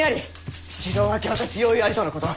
城を明け渡す用意ありとのこと。